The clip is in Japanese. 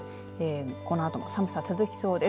このあとも寒さ続きそうです。